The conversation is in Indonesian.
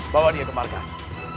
bawa dia ke markas